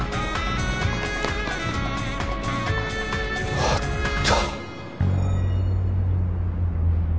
あった！